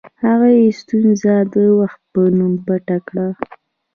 هغوی ستونزه د وخت په نوم پټه کړه.